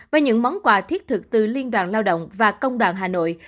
với những món quà thiết thực từ liên đoàn lao động và công đoàn hà nội